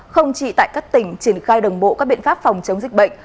không chỉ tại các tỉnh triển khai đồng bộ các biện pháp phòng chống dịch bệnh